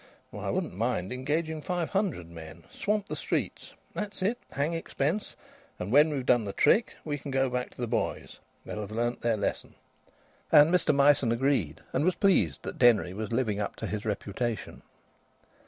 Why! I wouldn't mind engaging five hundred men. Swamp the streets! That's it! Hang expense. And when we've done the trick, then we can go back to the boys; they'll have learnt their lesson." And Mr Myson agreed and was pleased that Denry was living up to his reputation.